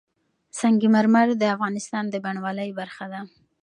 سنگ مرمر د افغانستان د بڼوالۍ برخه ده.